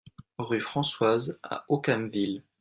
RUE FRANCOISE à Aucamville